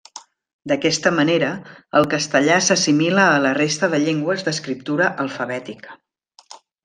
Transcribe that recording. D'aquesta manera, el castellà s'assimila a la resta de llengües d'escriptura alfabètica.